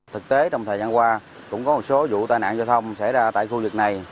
thực tế trong thời gian qua cũng có một số vụ tai nạn giao thông xảy ra tại khu vực này